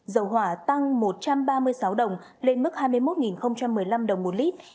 dầu hỏa tăng một trăm ba mươi sáu đồng lên mức hai mươi một một mươi năm đồng một lít